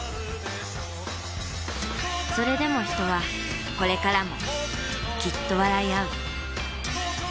それでも人はこれからもきっと笑いあう。